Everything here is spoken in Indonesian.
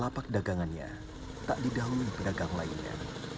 lapak dagangannya tak didahului pedagang lainnya